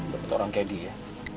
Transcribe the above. lo ketat orang kayak dia